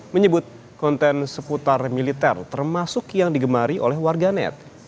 menyebut konten seputar militer termasuk yang digemari oleh warganet